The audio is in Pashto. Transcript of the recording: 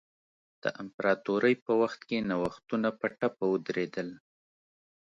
د امپراتورۍ په وخت کې نوښتونه په ټپه ودرېدل.